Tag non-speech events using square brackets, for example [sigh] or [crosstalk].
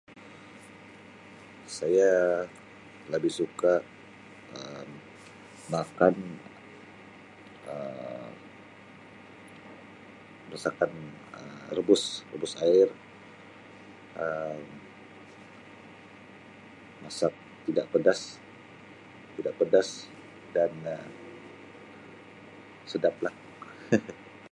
Saya lebih suka Um makan Um masakan Um rebus, rebus air. Um Masak tidak pedas, tidak pedas dan Um sedaplah. [laughs]